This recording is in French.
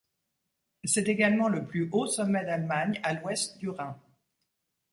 C'est également le plus haut sommet d'Allemagne à l'ouest du Rhin.